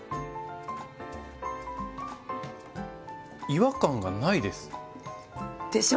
違和感がないです。